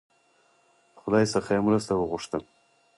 خدای څخه یې مرسته وغوښته.